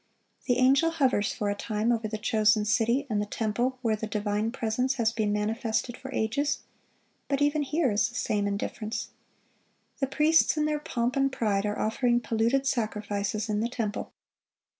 The angel hovers for a time over the chosen city and the temple where the divine presence has been manifested for ages; but even here is the same indifference. The priests, in their pomp and pride, are offering polluted sacrifices in the temple.